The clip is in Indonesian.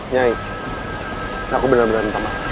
nyai aku benar benar entamak